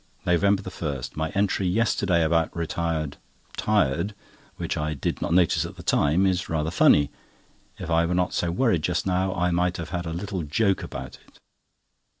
NOVEMBER 1.—My entry yesterday about "retired tired," which I did not notice at the time, is rather funny. If I were not so worried just now, I might have had a little joke about it.